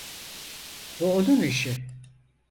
Bu onun işi.